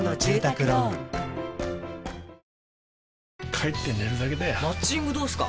帰って寝るだけだよマッチングどうすか？